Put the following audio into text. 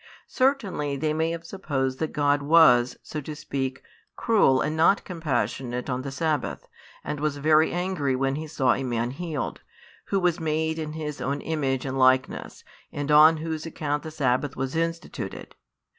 Certainly they may have supposed that God was (so to speak) cruel and not compassionate on the sabbath, and was very angry when he saw a man healed, who was made in His own image and likeness, and on whose account the sabbath was instituted.